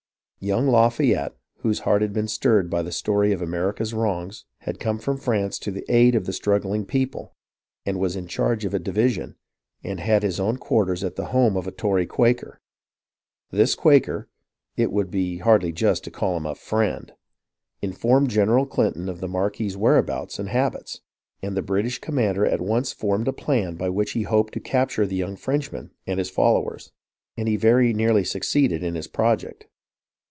Young Lafayette, whose heart had been stirred by the story of America's wrongs, had come from France to the aid of the struggling people, and was in charge of a division, and had his own quarters at the home of a Tory Quaker. This Quaker (it would hardly be just to call him a " Friend ") in formed General Clinton of the marquis's whereabouts and habits, and the British commander at once formed a plan by which he hoped to capture the young Frenchman and his followers, and he very nearly succeeded in his project.